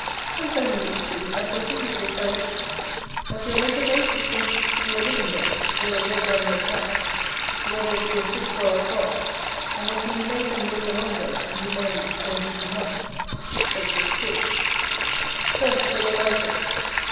Concerning which two, I shall give you this direction; that your ledger bait is best to be a living bait (though a dead one may catch), whether it be a fish or a frog: and that you may make them live the longer, you may, or indeed you must, take this course: First, for your LIVE BAIT.